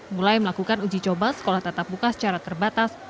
mulai melakukan uji coba sekolah tetap buka secara terbatas